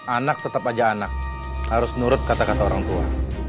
anak tetap aja anak harus nurut kata kata orang tua